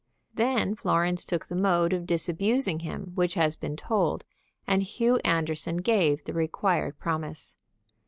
Then Florence took the mode of disabusing him which has been told, and Hugh Anderson gave the required promise.